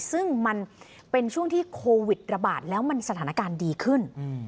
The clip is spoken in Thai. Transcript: ซึ่งมันเป็นช่วงที่โควิดระบาดแล้วมันสถานการณ์ดีขึ้น